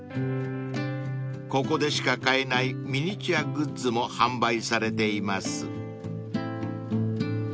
［ここでしか買えないミニチュアグッズも販売されています］